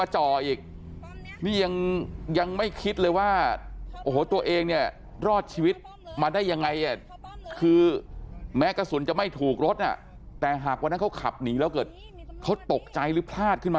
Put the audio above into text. หากว่านั้นเขาขับหนีแล้วเกิดเขาตกใจหรือพลาดขึ้นมา